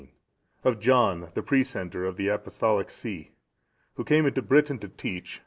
Of John, the precentor of the Apostolic see, who came into Britain to teach.